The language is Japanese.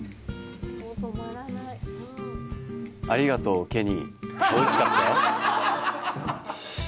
ありがとうケニー、おいしかったよ！